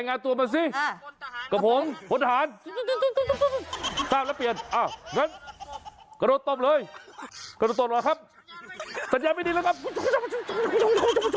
เจ้าผมปลตนฐานต้านอนุนรัฐปินเทมจ้าบแล้วเปลี่ยน